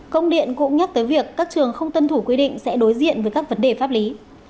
công điện cũng nhắc tới việc các trường không tuân thủ quy định sẽ đối diện với các vấn đề pháp lý